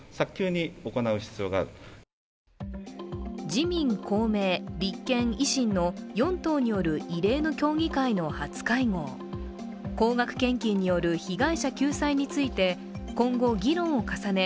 自民、公明、立憲、維新の４党による異例の協議会の初会合高額献金による被害者救済について今後、議論を重ね